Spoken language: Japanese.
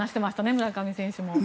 村上選手も。